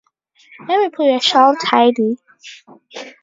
Let me put your shawl tidy.